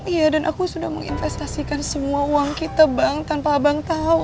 iya dan aku sudah menginvestasikan semua uang kita bang tanpa abang tahu